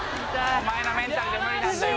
お前のメンタルじゃ無理なんだよ